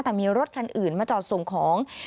แต่มีรถคันอื่นมาจอดส่งของ